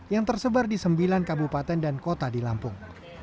yang tersebar di sembilan kabupaten dan kota di lampung